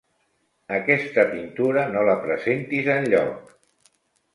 Aquesta pintura no la presentis enlloc.